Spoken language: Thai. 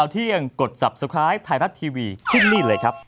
ที่นี่เลยครับ